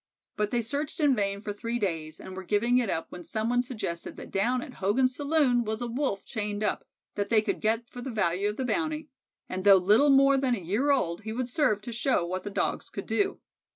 But they searched in vain for three days and were giving it up when some one suggested that down at Hogan's saloon was a Wolf chained up, that they could get for the value of the bounty, and though little more than a year old he would serve to show what the Dogs could do.